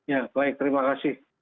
ya baik terima kasih